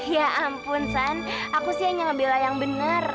ya ampun san aku sih hanya ngebela yang benar